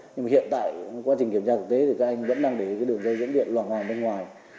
nhưng mà hiện tại quá trình kiểm tra thực tế thì các anh vẫn đang để đường dây dẫn điện loài ngoài bên ngoài